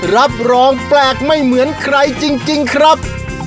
รับรองแปลกไม่เหมือนใครจริงครับ